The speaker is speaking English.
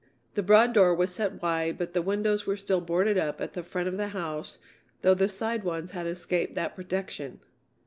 The broad door was set wide but the windows were still boarded up at the front of the house, though the side ones had escaped that protection.